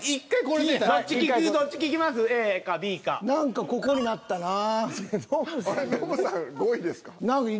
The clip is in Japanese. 何かここになったなぁ。